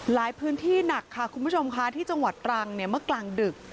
พื้นที่หนักค่ะคุณผู้ชมค่ะที่จังหวัดตรังเนี่ยเมื่อกลางดึก